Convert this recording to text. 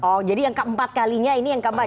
oh jadi yang keempat kalinya ini yang keempat